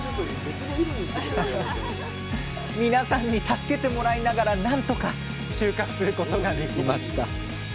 皆さんに助けてもらいながら何とか収穫することができました！